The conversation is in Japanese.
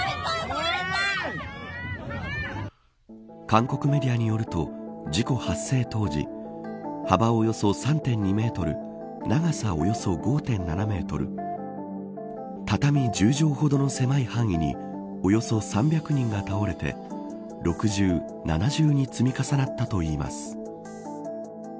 韓国メディアによると事故発生当時幅およそ３．２メートル長さおよそ５．７メートル畳１０畳ほどの狭い範囲におよそ３００人が倒れて六重七重に積み重なったといいます。